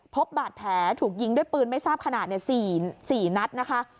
พบบาดแผลถูกยิงด้วยปืนไม่ทราบขนาด๔นัดนะคะ